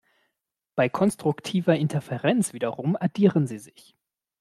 Bei konstruktiver Interferenz wiederum addieren sie sich.